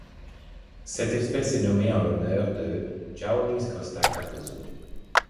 Cette espèce est nommée en l'honneur de João Luiz Costa Cardoso.